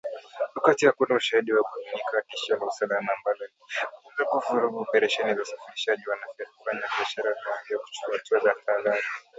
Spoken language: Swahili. Wakati hakuna ushahidi wa kuaminika wa tishio la usalama ambalo linaweza kuvuruga operesheni za usafirishaji wafanyabiashara wameambiwa kuchukua hatua za taadhari.